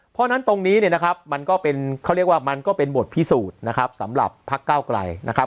เพราะฉะนั้นตรงนี้เนี่ยนะครับมันก็เป็นเขาเรียกว่ามันก็เป็นบทพิสูจน์นะครับสำหรับพักเก้าไกลนะครับ